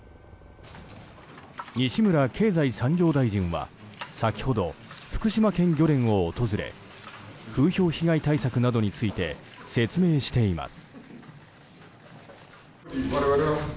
西村経済産業大臣は、先ほど福島県漁連を訪れ風評被害対策などについて説明しています。